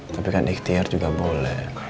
tapi kan ikhtiar juga boleh